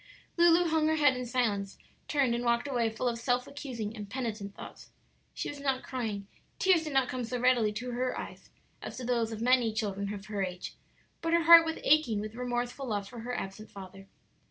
Lulu hung her head in silence, turned, and walked away full of self accusing and penitent thoughts. She was not crying; tears did not come so readily to her eyes as to those of many children of her age, but her heart was aching with remorseful love for her absent father.